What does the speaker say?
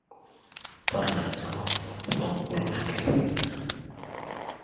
«Ömür» diýleni ilki birhili, soň başga hili okaýan ekeniň.